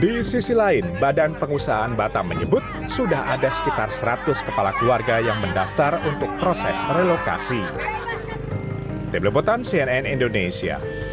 di sisi lain badan pengusahaan batam menyebut sudah ada sekitar seratus kepala keluarga yang mendaftar untuk proses relokasi